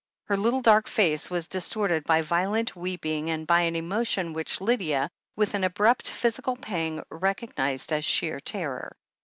Her little dark face was distorted by violent weeping and by an emotion which Lydia, with an abrupt, physi cal pang, recognized as sheer terror.